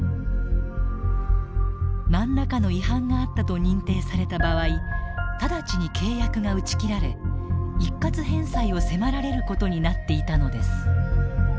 何らかの違反があったと認定された場合直ちに契約が打ち切られ一括返済を迫られることになっていたのです。